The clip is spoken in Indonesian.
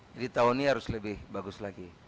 jadi tahun ini harus lebih bagus lagi